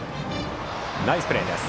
ナイスプレーです。